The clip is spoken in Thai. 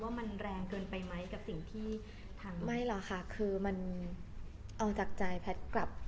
ว่ามันแรงเกินไปไหมกับสิ่งที่ไม่หรอกค่ะคือมันเอาจากใจแพทย์กลับ